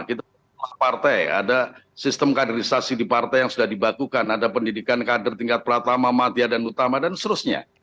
kita partai ada sistem kaderisasi di partai yang sudah dibakukan ada pendidikan kader tingkat pertama matiah dan utama dan seterusnya